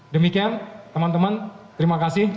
demikian teman teman terima kasih